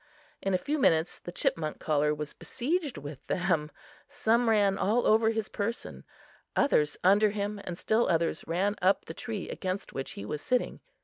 In a few minutes, the chipmunk caller was besieged with them. Some ran all over his person, others under him and still others ran up the tree against which he was sitting.